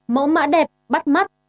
mẫu mã đẹp bắt mắt